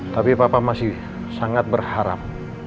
tapi papa masih sangat berharap